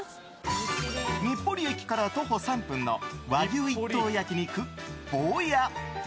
日暮里駅から徒歩３分の和牛一頭焼き肉房家。